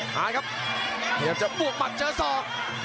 หายครับพยายามจะปวกมัดเจอสอบ